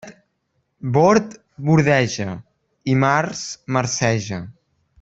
Bord bordeja i març marceja.